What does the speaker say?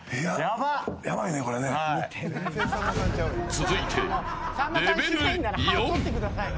続いてレベル４。